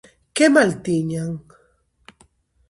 Que mal tiñan?